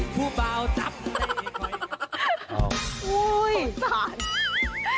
ผู้เบาจับระภูเขากระ